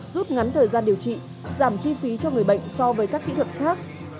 giúp ngắn thời gian điều trị giảm chi phí cho người bệnh so với các kỹ thuật khác